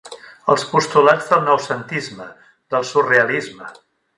Els postulats del noucentisme, del surrealisme.